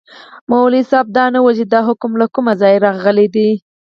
مولوي صاحب دا ونه ویل چي دا حکم له کومه ځایه راغلی دی.